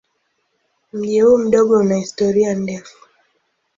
Mji huu mdogo una historia ndefu.